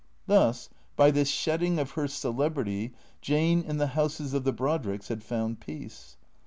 Thus, by this shedding of her celebrity, Jane in the houses of the Brodricks had found peace.